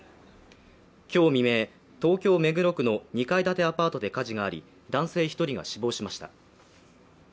今日未明、東京・目黒区の２階建てアパートで火事があり、男性１人が死亡しました。